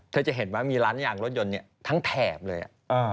จะเห็นว่ามีร้านยางรถยนต์ทั้งแถบเลย